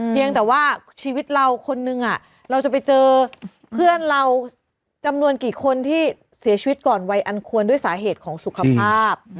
เพียงแต่ว่าชีวิตเราคนนึงเราจะไปเจอเพื่อนเราจำนวนกี่คนที่เสียชีวิตก่อนวัยอันควรด้วยสาเหตุของสุขภาพ